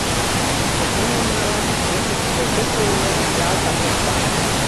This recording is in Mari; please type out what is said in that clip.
Эше мом налаш, ешыштыже эше кӧ уло — ялтак ом пале.